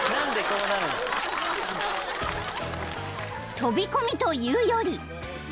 ［飛び込みというより］